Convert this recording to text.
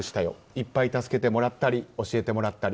いっぱい助けてもらったり教えてもらったり。